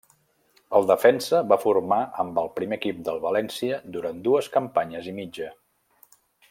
El defensa va formar amb el primer equip del València durant dues campanyes i mitja.